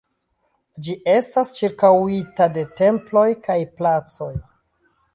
Ĝi estas ĉirkaŭita de temploj kaj placoj.